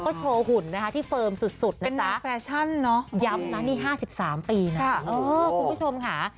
ก็โชว์หุ่นที่เฟิร์มสุดนะจ๊ะย้ำนะนี่๕๓ปีนะคุณผู้ชมค่ะ